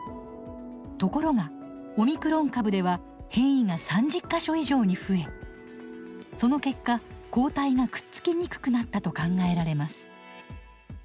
ところがオミクロン株では変異が３０か所以上に増えその結果抗体がくっつきにくくなったと考えられます。